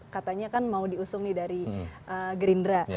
katanya kan mau diusung nih dari gerindra